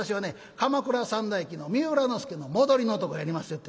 『鎌倉三代記』の三浦之助の戻りのとこやりますよって。